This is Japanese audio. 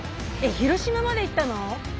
広島まで行ったの？